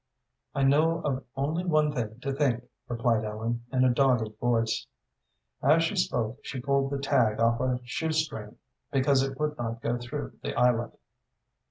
"I know of only one thing to think," replied Ellen, in a dogged voice. As she spoke she pulled the tag off a shoe string because it would not go through the eyelet.